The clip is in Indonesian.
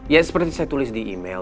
ya seperti saya tulis di email